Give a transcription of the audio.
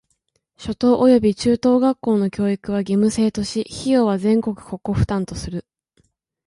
初等および中等学校の教育は義務制とし、費用は全額国庫負担とする。